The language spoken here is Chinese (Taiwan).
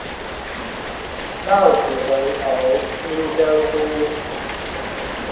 浪子回頭金針菇